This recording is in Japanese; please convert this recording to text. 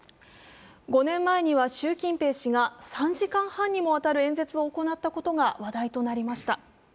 ５年前には習近平氏が３時間半にもわたる演説を行ったことが話題となりました。